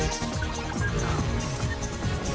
โปรดติดตามตอนต่อไป